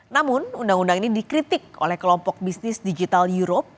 namun undang undang ini dikritik oleh kelompok bisnis digital europe